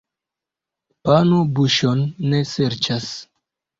Pano buŝon ne serĉas.